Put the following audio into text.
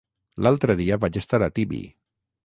L'altre dia vaig estar a Tibi.